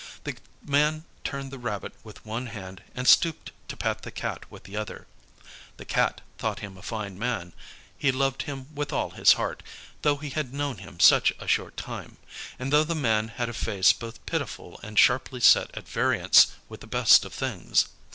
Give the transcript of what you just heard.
The man turned the rabbit with one hand and stooped to pat the Cat with the other. The Cat thought him a fine man. He loved him with all his heart, though he had known him such a short time, and though the man had a face both pitiful and sharply set at variance with the best of things.